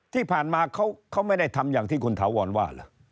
ที่ผ่านมาเขาไม่ได้ทำอย่างที่คุณถาวรว่าล่ะ